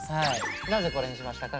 なぜこれにしましたか？